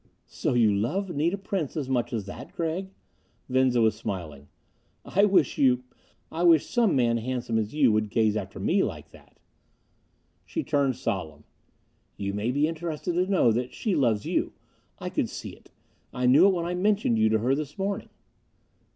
"So you love Anita Prince so much as that, Gregg?" Venza was smiling. "I wish you I wish some man handsome as you would gaze after me like that." She turned solemn. "You may be interested to know that she loves you. I could see it. I knew it when I mentioned you to her this morning."